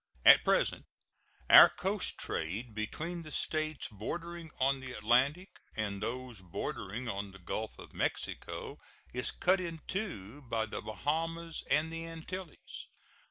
At present our coast trade between the States bordering on the Atlantic and those bordering on the Gulf of Mexico is cut into by the Bahamas and the Antilles.